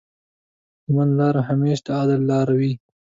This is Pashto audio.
د منځ لاره همېش د اعتدال لاره وي.